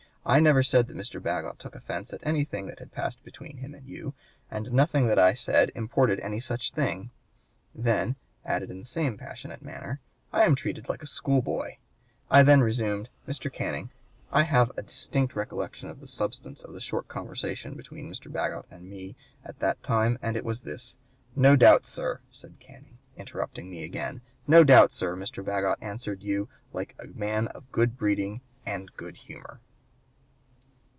I never said that Mr. Bagot took offence at anything that had passed between him and you; and nothing that I said imported any such thing.' Then ... added in the same passionate manner: 'I am treated like a school boy.' I then resumed: 'Mr. Canning, I have a distinct recollection of the substance of the short conversation between Mr. Bagot and me at that time; and it was this' 'No doubt, sir,' said Canning, interrupting me again, 'no doubt, sir, Mr. Bagot answered you like a man of good breeding and good humor.'"